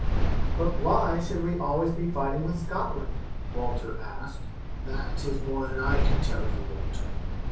"But why should we always be fighting with Scotland?" Walter asked. "That is more than I can tell you, Walter.